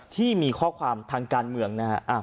ที่มีข้อความทางการเมืองนะฮะ